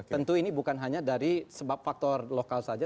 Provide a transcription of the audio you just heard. tentu ini bukan hanya dari sebab faktor lokal saja